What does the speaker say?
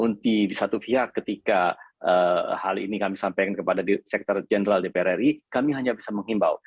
untuk di satu pihak ketika hal ini kami sampaikan kepada direktur jenderal dpr ri kami hanya bisa menghimbau